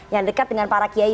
yang dekat dengan para kiai